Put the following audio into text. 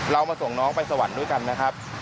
เรามาส่งน้องไปสวรรค์ด้วยกันนะครับ